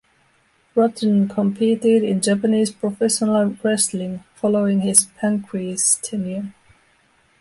Rutten competed in Japanese professional wrestling following his Pancrase tenure.